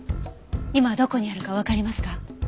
今どこにあるかわかりますか？